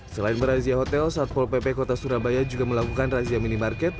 selain merazia hotel satpol pp kota surabaya juga melakukan merazia mini market